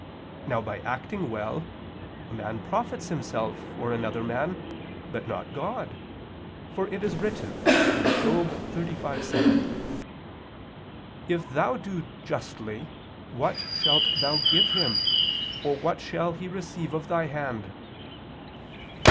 Now by acting well, a man profits himself or another man, but not God, for it is written (Job 35:7): "If thou do justly, what shalt thou give Him, or what shall He receive of thy hand."